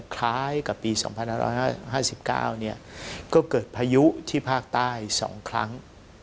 คล้ายกับปี๒๕๕๙ก็เกิดพายุที่ภาคใต้๒ครั้ง